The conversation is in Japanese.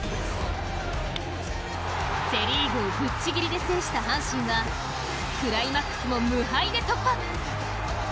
セ・リーグをぶっちぎりで制した阪神はクライマックスも無敗で突破。